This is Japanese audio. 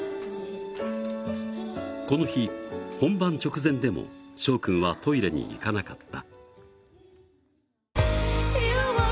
この日、本番直前でもしょう君はトイレに行かなかった。